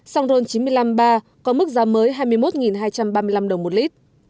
xăng ron chín trăm năm mươi ba có mức giá mới hai mươi một hai trăm ba mươi năm đồng một lít